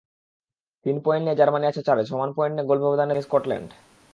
তিন পয়েন্ট নিয়ে জার্মানি আছে চারে, সমান পয়েন্ট নিয়ে গোলব্যবধানে তিনে স্কটল্যান্ড।